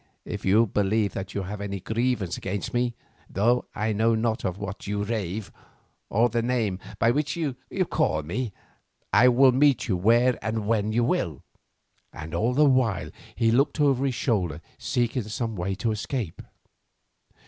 If you believe that you have any grievance against me—though I know not of what you rave, or the name by which you call me—I will meet you where and when you will." And all the while he looked over his shoulder seeking some way of escape.